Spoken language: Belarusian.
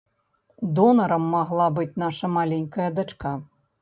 Донарам магла быць наша маленькая дачка.